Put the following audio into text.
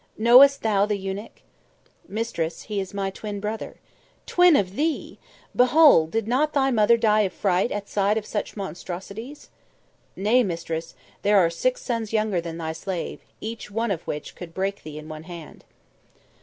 Know'st thou the eunuch?" "Mistress, he is my twin brother." "Twin of thee! Behold, did not thy mother die of fright, at sight of such monstrosities?" "Nay, mistress, there are six sons younger than thy slave, each one of which could break thee in one hand."